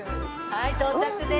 はい到着です。